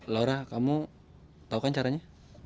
laura kamu tau kan caranya